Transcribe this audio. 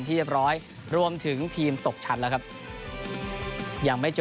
เรียบร้อยรวมถึงทีมตกชั้นแล้วครับยังไม่จบ